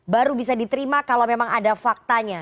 baru bisa diterima kalau memang ada faktanya